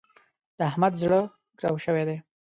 د احمد زړه ګرو شوی دی.